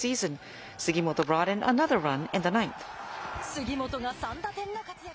杉本が３打点の活躍。